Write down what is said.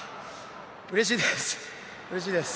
うれしいです。